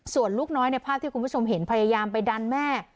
ส่วนลูกน้อยในภาพที่คุณผู้ชมเห็นพยายามไปดันแม่